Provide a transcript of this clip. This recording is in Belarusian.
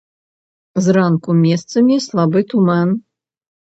Зранку месцамі слабы туман.